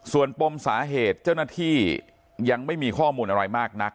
ส่วนปมสาเหตุเจ้าหน้าที่ยังไม่มีข้อมูลอะไรมากนัก